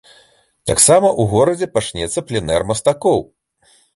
Таксама ў горадзе пачнецца пленэр мастакоў.